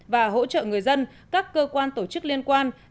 và hỗ trợ người dân các cơ quan tổ chức liên quan